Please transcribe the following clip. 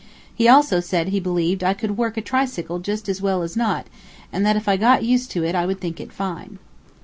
He also said he believed I could work a tricycle just as well as not, and that if I got used to it I would think it fine.